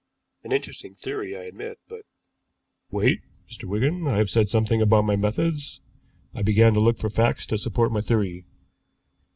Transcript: "An interesting theory, I admit, but " "Wait, Mr. Wigan. I have said something about my methods. I began to look for facts to support my theory.